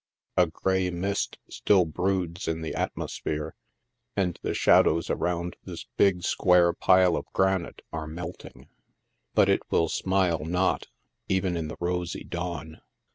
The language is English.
A grey mist still broods in the atmosphere, and the shadows around this big, square pile of granite are melting ; but it will smile not, even in the rosy dawn.